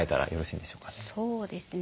そうですね